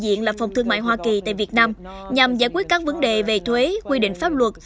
đại diện là phòng thương mại hoa kỳ tại việt nam nhằm giải quyết các vấn đề về thuế quy định pháp luật